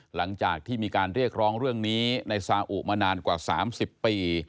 หลังจากที่มีการเรียกร้องเรื่องนี้ในซาอุมานานกว่า๓๐ปี